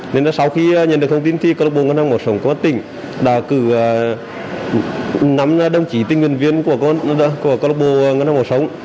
nên sau khi nhận được thông tin thì công an tỉnh đã cử năm đồng chỉ tình nguyên viên của công an tỉnh